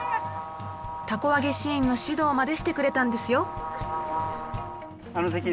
凧あげシーンの指導までしてくれたんですよ。